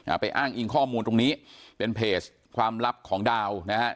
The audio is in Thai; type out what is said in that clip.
ไปอ้างอิงข้อมูลตรงนี้เป็นเพจความลับของดาวนะฮะ